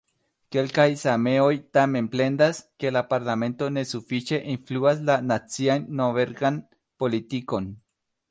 Kelkaj sameoj tamen plendas, ke la parlamento ne sufiĉe influas la nacian norvegan politikon.